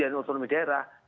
diriijen utonomi daerah